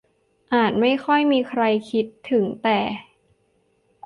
อาจไม่ค่อยมีใครคิดถึงแต่